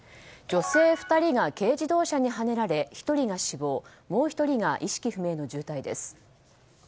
女性２人が軽自動車にはねられ１人が死亡、もう１人が意識不明の重体です。